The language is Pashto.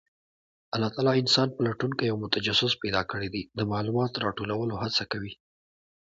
الله تعالی انسان پلټونکی او متجسس پیدا کړی دی، د معلوماتو راټولولو هڅه کوي.